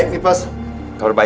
ini harus kau lapor ke boss